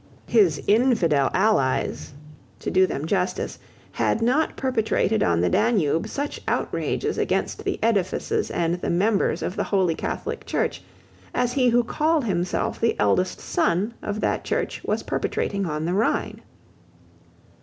His infidel allies, to do them justice, had not perpetrated on the Danube such outrages against the edifices and the members of the Holy Catholic Church as he who called himself the eldest son of that Church was perpetrating on the Rhine.